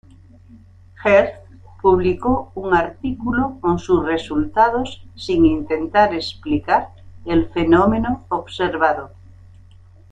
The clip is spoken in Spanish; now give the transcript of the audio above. Hertz publicó un artículo con sus resultados sin intentar explicar el fenómeno observado.